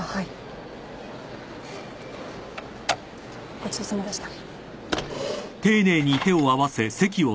ごちそうさまでした。